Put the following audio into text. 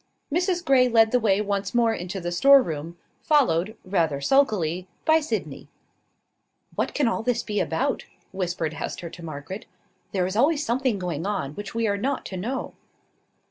Mrs Grey led the way once more into the store room, followed, rather sulkily, by Sydney. "What can all this be about?" whispered Hester to Margaret. "There is always something going on which we are not to know."